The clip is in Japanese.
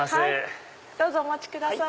どうぞお持ちください。